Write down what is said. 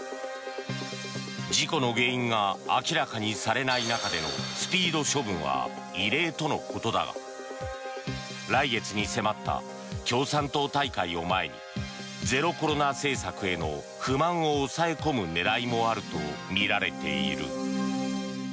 事故の原因が明らかにされない中でのスピード処分は異例とのことだが来月に迫った共産党大会を前にゼロコロナ政策への不満を抑え込む狙いもあるとみられている。